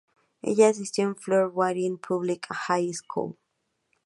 Ella asistió a Fort Wayne Public High School.